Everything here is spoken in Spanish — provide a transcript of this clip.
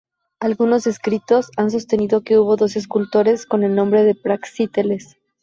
Algunos escritores han sostenido que hubo dos escultores con el nombre de Praxíteles.